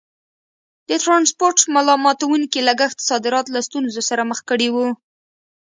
د ټرانسپورټ ملا ماتوونکي لګښت صادرات له ستونزو سره مخ کړي وو.